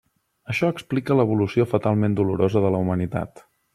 Això explica l'evolució fatalment dolorosa de la humanitat.